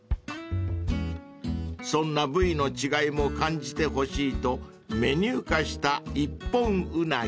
［そんな部位の違いも感じてほしいとメニュー化した一本鰻］